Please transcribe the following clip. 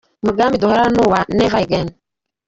Umugambi duhorana ni uwa Never Again.